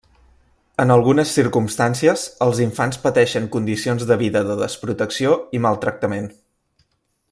En algunes circumstàncies els infants pateixen condicions de vida de desprotecció i maltractament.